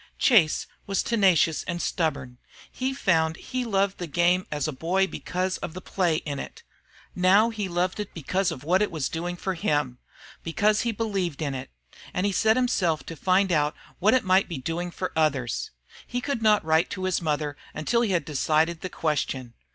Chase was tenacious and stubborn. He found he had loved the game as a boy because of the play in it; now he loved it because of what it was doing for him, because he believed in it. And he set himself to find out what it might be doing for others. He could not write to his mother till he had decided the question.